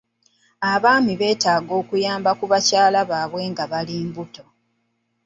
Abaami beetaaga okuyamba ku bakyala baabwe nga bali mbuto.